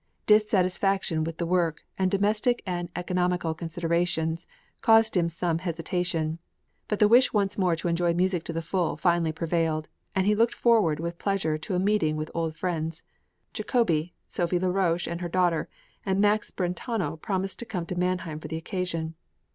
Dissatisfaction with the work, and domestic and economical considerations, caused him some hesitation; but the wish once more to enjoy music to the full finally prevailed, and he looked forward with pleasure to a meeting with old friends; Jacobi, Sophie la Roche and her daughter, and Max Brentano promised to come to Mannheim for the occasion.